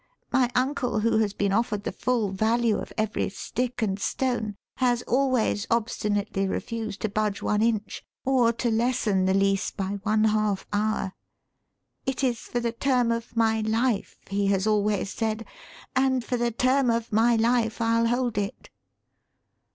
My uncle, who has been offered the full value of every stick and stone, has always obstinately refused to budge one inch or to lessen the lease by one half hour. 'It is for the term of my life,' he has always said, 'and for the term of my life I'll hold it!'"